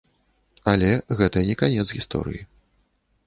Але гэта не канец гісторыі.